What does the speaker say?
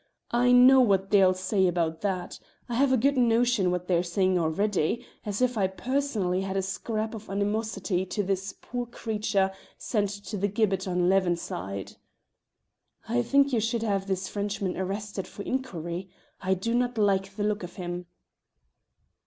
I know what they'll say about that: I have a good notion what they're saying already as if I personally had a scrap of animosity to this poor creature sent to the gibbet on Leven side." "I think you should have this Frenchman arrested for inquiry: I do not like the look of him."